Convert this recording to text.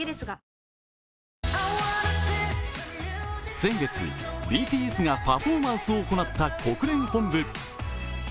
先月、ＢＴＳがパフォーマンスを行った国連本部。